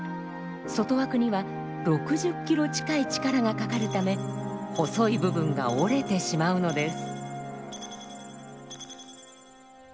外枠には６０キロ近い力がかかるため細い部分が折れてしまうのです。